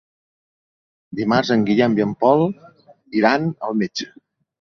Dimarts en Guillem i en Pol iran al metge.